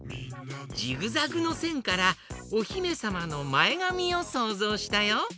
ジグザグのせんからおひめさまのまえがみをそうぞうしたよ。